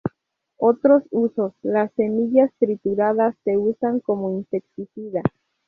Otros usos: Las semillas trituradas se usan como insecticida.